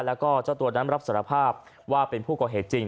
แล้วก็เจ้าตัวนั้นรับสารภาพว่าเป็นผู้ก่อเหตุจริง